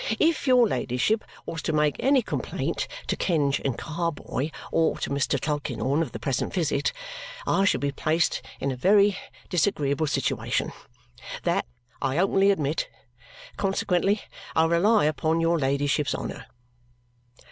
If your ladyship was to make any complaint to Kenge and Carboy or to Mr. Tulkinghorn of the present visit, I should be placed in a very disagreeable situation. That, I openly admit. Consequently, I rely upon your ladyship's honour."